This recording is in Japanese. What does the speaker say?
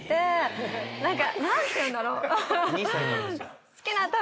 何ていうんだろう。